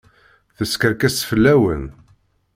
Teskerkes fell-awen.